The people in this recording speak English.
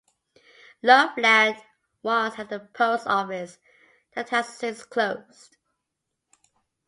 Loveland once had a post office that has since closed.